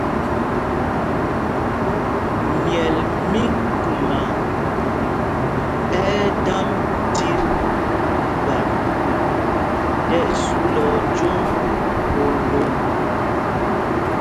Myɛl mí kukumá ɛ́ ɛ́ damb tit gbak tí ɛsu lɛ ojǒŋ o ndom.